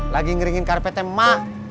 lagi ngeringin karpetnya mak